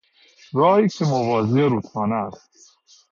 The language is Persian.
راهی که موازی رودخانه است